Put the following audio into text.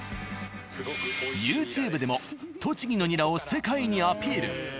ＹｏｕＴｕｂｅでも栃木のニラを世界にアピール。